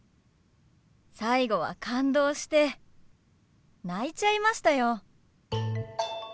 最後は感動して泣いちゃいましたよ。